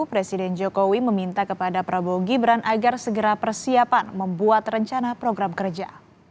presiden jokowi meminta kepada prabowo gibran agar segera persiapan membuat rencana program kerja